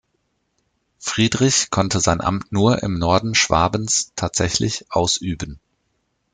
Friedrich konnte sein Amt nur im Norden Schwabens tatsächlich ausüben.